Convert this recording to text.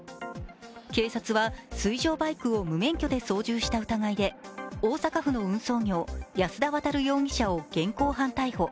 警察は水上バイクを無免許で操縦した疑いで大阪府の運送業・安田亘容疑者を現行犯逮捕。